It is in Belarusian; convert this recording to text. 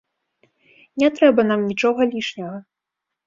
Не трэба нам нічога лішняга!